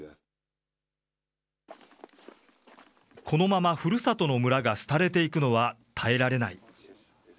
このままふるさとの村が廃れていくのは耐えられない。